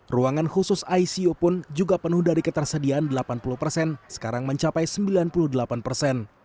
ruangan khusus icu pun juga penuh dari ketersediaan delapan puluh persen sekarang mencapai sembilan puluh delapan persen